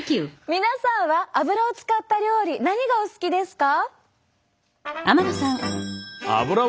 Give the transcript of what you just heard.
皆さんはアブラを使った料理何がお好きですか？